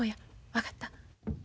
分かった？